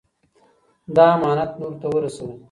دا امانت نورو ته ورسوئ.